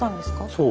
そう。